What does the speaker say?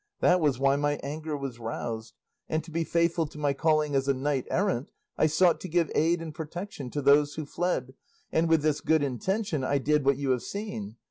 That was why my anger was roused; and to be faithful to my calling as a knight errant I sought to give aid and protection to those who fled, and with this good intention I did what you have seen.